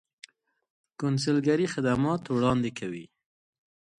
کونسلګرۍ خدمات وړاندې کوي